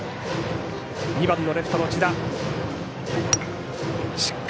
２番のレフトの千田。